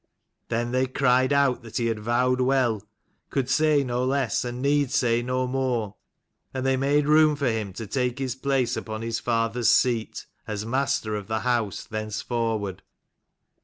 Then they cried out that he had vowed well ; could say no less and need say no more : and they made room for him to take his place upon his father's seat, as master of the house thenceforward.